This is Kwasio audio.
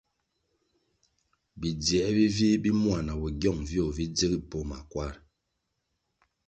Bidziē bi vih bi mua na bogyong viogo vi dzil poh makwar.